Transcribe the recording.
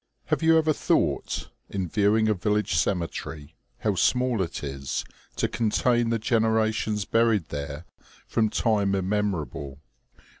Have you ever thought, in viewing a village cemetery, how small it is, to contain the generations buried there from time immemor able